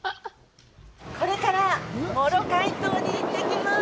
これからモロカイ島に行ってきます。